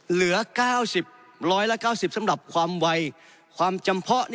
เหลือ๙๐บาทร้อยละ๙๐บาทสำหรับความวัยความจำเพาะ